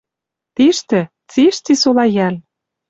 Тиштӹ — цишти солайӓл.